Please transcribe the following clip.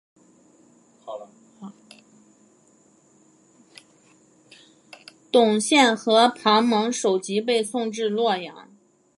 董宪和庞萌首级被送至洛阳。